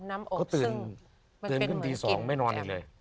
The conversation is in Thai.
เกิดเค้าไปกับโรงเรียนก็ตื่นกันตี๒ไม่นอนอีกเลย